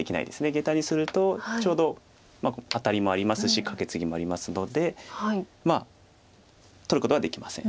ゲタにするとちょうどアタリもありますしカケツギもありますのでまあ取ることはできません。